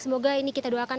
semoga ini kita doakan